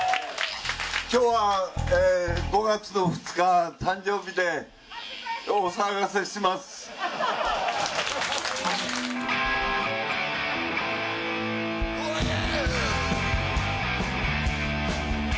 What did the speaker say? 今日は５月の２日誕生日でどうもお騒がせしますＯｈＹｅａｈ！